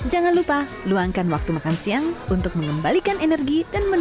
jangan lupa luangkan waktu makan siang untuk mengembalikan energi dan manfaat